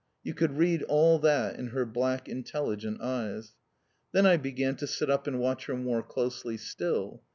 You could read all that in her black, intelligent eyes. Then I began to sit up and watch her more closely still.